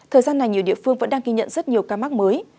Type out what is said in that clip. thời gian này nhiều địa phương vẫn đang ghi nhận rất nhiều ca mắc mới